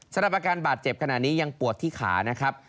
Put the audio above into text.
สำหรับอาการบาดเจ็บขณะนี้ยังปวดที่ขานะครับ